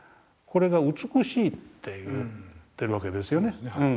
これが美しいって言ってるわけですよね。